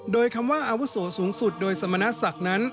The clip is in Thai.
โดยคำว่าอาวุโสสูงสุดโดยสมณศักดิ์นั้น